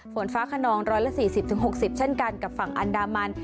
ฝนฟ้าคนนองร้อยละสี่สิบถึงหกสิบเช่นกันกับฝั่งอันดามัน